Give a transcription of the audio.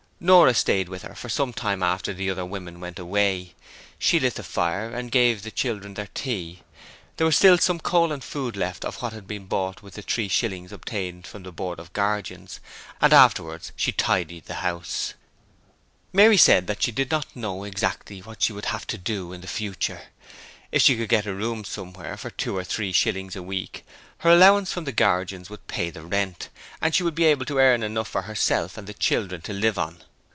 Nora stayed with her for some time after the other women went away. She lit the fire and gave the children their tea there was still some coal and food left of what had been bought with the three shillings obtained from the Board of Guardians and afterwards she tidied the house. Mary said that she did not know exactly what she would have to do in the future. If she could get a room somewhere for two or three shillings a week, her allowance from the Guardians would pay the rent, and she would be able to earn enough for herself and the children to live on.